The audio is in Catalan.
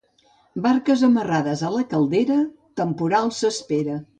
Barques amarrades a la Caldera, temporal s'espera.